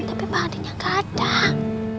tapi mbak andin yang kadang